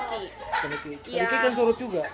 cikaniki dan surut juga